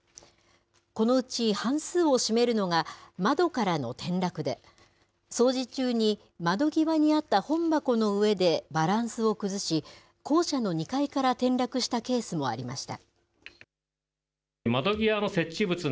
このうち半数を占めるのが、窓からの転落で、掃除中に窓際にあった本箱の上でバランスを崩し、校舎の２階から転落したケースもありました。